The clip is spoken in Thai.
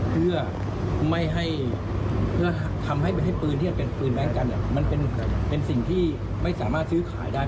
เพื่อทำให้ปืนที่เป็นแม่งกันเป็นสิ่งที่ไม่สามารถซื้อขายได้